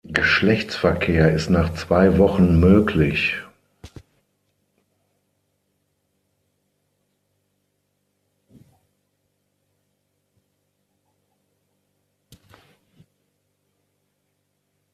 Geschlechtsverkehr ist nach zwei Wochen möglich.